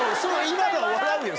今のは笑うよ